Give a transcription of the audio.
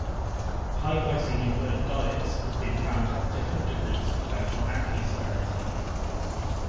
High-glycemic-load diets have been found to have different degrees of effect on acne severity.